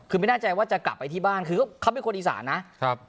คือไม่แน่ใจว่าจะกลับไปที่บ้านคือเขาเป็นคนอีสานนะครับ